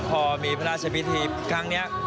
พอมีพระราชพิธีครั้งนี้